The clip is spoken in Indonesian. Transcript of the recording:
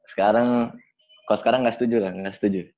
sekarang sekarang gak setuju lah gak setuju